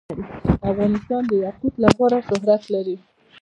افغانستان د یاقوت له امله شهرت لري.